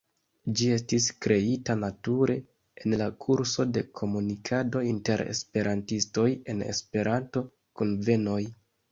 Ĝi estis kreita nature en la kurso de komunikado inter Esperantistoj en Esperanto-kunvenoj.